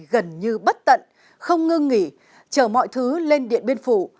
gần như bất tận không ngưng nghỉ chở mọi thứ lên điện biên phủ